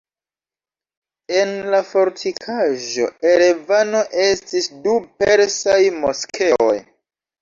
En la fortikaĵo Erevano estis du persaj moskeoj.